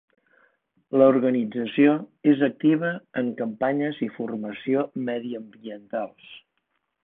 L'organització és activa en campanyes i formació mediambientals.